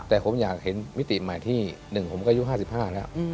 แต่ผมอยากเห็นมิติใหม่ที่หนึ่งผมก็อายุห้าสิบห้าแล้ว